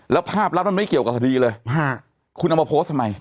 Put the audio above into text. แล้วภาพลับมันไม่เกี่ยวกับคดีเลยคุณเอามาโพสต์ทำไม